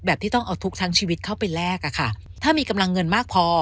ที่ต้องเอาทุกข์ทั้งชีวิตเข้าไปแลกอะค่ะถ้ามีกำลังเงินมากพอ